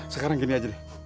sekarang gini aja deh